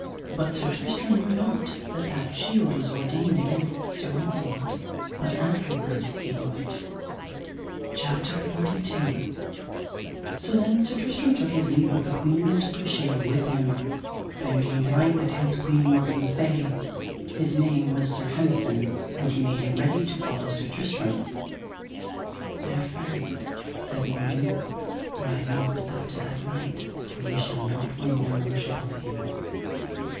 But Sir Tristram knew not that that shield was ordained against Sir Launcelot, but afterward he knew it. CHAPTER XLI. How Sir Tristram took with him the shield, and also how he slew the paramour of Morgan le Fay. So then Sir Tristram took his leave of the queen, and took the shield with him. Then came the knight that held Queen Morgan le Fay, his name was Sir Hemison, and he made him ready to follow Sir Tristram. Fair friend, said Morgan, ride not after that knight, for ye shall not win no worship of him.